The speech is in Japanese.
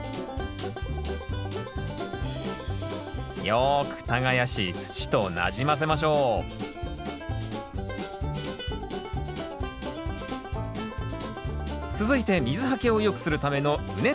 よく耕し土となじませましょう続いて水はけを良くするための畝立て。